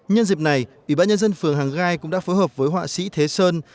nhân dịp này ủy ban nhân dân phường hàng gai cũng đã phối hợp với họa sĩ thế sơn